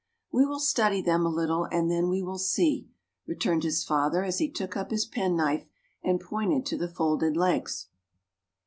"We will study them a little and then we will see," returned his father as he took up his penknife and pointed to the folded legs.